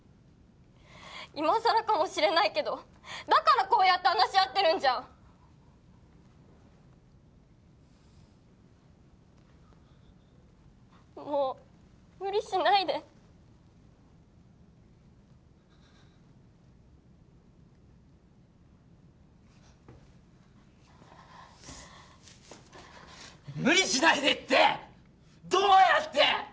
今さらかもしれないけどだからこうやって話し合ってるんじゃんもう無理しないで無理しないでってどうやって！？